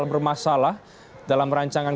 bermasalah dalam rancangan